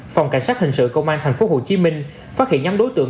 phòng cảnh sát hình sự công an tp hcm phát hiện nhóm đối tượng